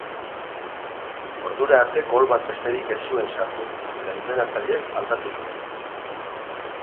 Ordura arte gol bat besterik ez zuen sartu, eta entrenatzailez aldatu zuen.